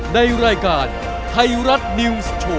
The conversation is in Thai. ในรายการไทยรัฐนิวส์โชว์